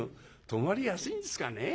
泊まりやすいんですかねえ。